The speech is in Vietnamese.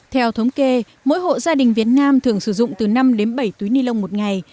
theo thống kê mỗi hộ gia đình việt nam thường sử dụng từ năm đến bảy túi ni lông một ngày